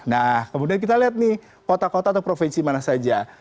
nah kemudian kita lihat nih kota kota atau provinsi mana saja